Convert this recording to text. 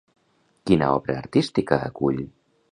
Quina obra artística acull?